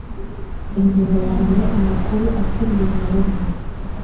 ingingo ya mbere amakuru akubiye muburyo